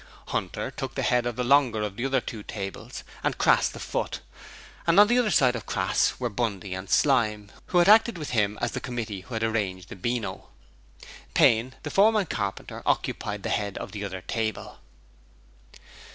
Hunter took the head of the longer of the other two tables and Crass the foot, and on either side of Crass were Bundy and Slyme, who had acted with him as the Committee who had arranged the Beano. Payne, the foreman carpenter, occupied the head of the other table.